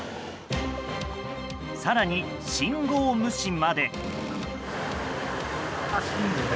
更に信号無視まで。